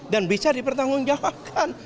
dan bisa dipertanggungjawabkan